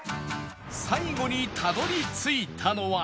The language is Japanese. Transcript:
最後にたどり着いたのは